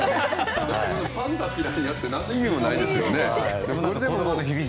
「パンダピラニア」って何の意味もないですよね。